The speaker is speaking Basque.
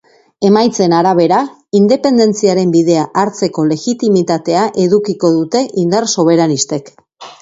Emaitzen arabera, independentziaren bidea hartzeko legitimitatea edukiko dute indar soberanistek.